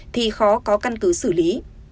thì khó có căn cứ xử lý